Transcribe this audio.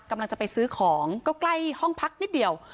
กำลังจะไปซื้อของก็ใกล้ห้องพักนิดเดียว